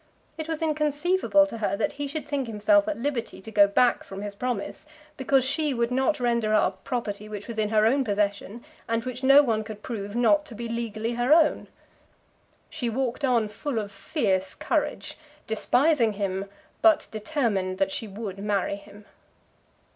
It was inconceivable to her that he should think himself at liberty to go back from his promise, because she would not render up property which was in her possession, and which no one could prove not to be legally her own! She walked on full of fierce courage, despising him, but determined that she would marry him.